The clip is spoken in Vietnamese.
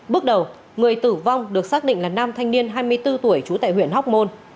bước đầu người tử vong được xác định là nam thanh niên hai mươi bốn tuổi trú tại huyện hóc môn